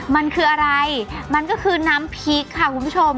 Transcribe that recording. มันคืออะไรมันก็คือน้ำพริกค่ะคุณผู้ชม